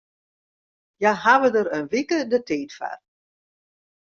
Hja hawwe dêr in wike de tiid foar.